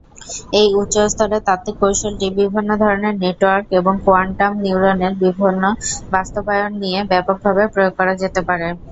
এই উচ্চ-স্তরের তাত্ত্বিক কৌশলটি বিভিন্ন ধরনের নেটওয়ার্ক এবং কোয়ান্টাম নিউরনের বিভিন্ন বাস্তবায়ন নিয়ে ব্যাপকভাবে প্রয়োগ করা যেতে পারে।